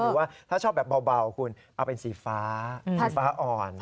ว่าถ้าชอบแบบเบาคุณเอาเป็นสีฟ้าสีฟ้าอ่อน